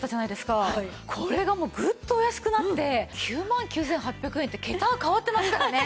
これがもうグッとお安くなって９万９８００円って桁が変わってますからね。